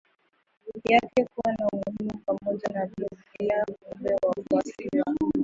yake kuwa na umuhimu pamoja na Biblia Kumbe wafuasi wa